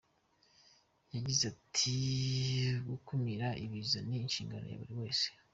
Yagize ati “Gukumira ibiza ni inshingano ya buri wese.